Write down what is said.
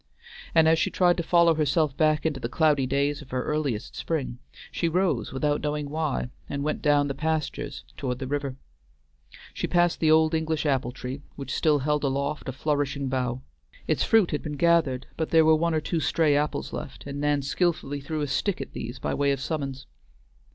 And as she tried to follow herself back into the cloudy days of her earliest spring, she rose without knowing why, and went down the pastures toward the river. She passed the old English apple tree, which still held aloft a flourishing bough. Its fruit had been gathered, but there were one or two stray apples left, and Nan skillfully threw a stick at these by way of summons.